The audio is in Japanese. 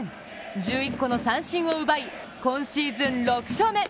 １１個の三振を奪い、今シーズン６勝目。